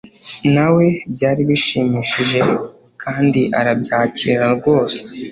Na we byari bishimishije kandi arabyakira rwose